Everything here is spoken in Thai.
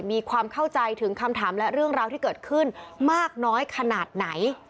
มีความเข้าใจถึงคำถามและเรื่องราวที่เกิดขึ้นมากน้อยขนาดไหน